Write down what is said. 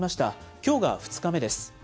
きょうが２日目です。